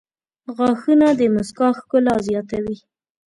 • غاښونه د مسکا ښکلا زیاتوي.